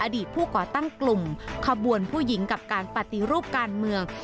อดีตผู้ก่อตั้งกลุ่มขบวนผู้หญิงกับการปฏิรูปการเมือง